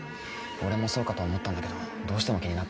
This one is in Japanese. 俺もそうかと思ったんだけどどうしても気になって。